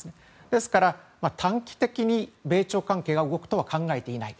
ですから短期的に米朝関係が動くとは考えてない。